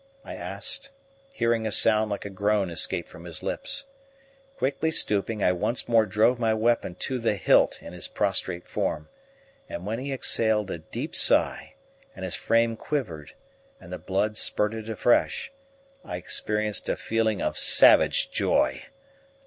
I asked, hearing a sound like a groan escape from his lips. Quickly stooping, I once more drove my weapon to the hilt in his prostrate form, and when he exhaled a deep sigh, and his frame quivered, and the blood spurted afresh, I experienced a feeling of savage joy.